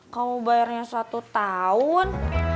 kamu bayarnya satu tahun